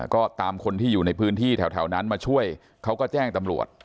ก็ตามคนที่อยู่ในพื้นที่แถวนั้นมาช่วยเขาก็แจ้งตำรวจ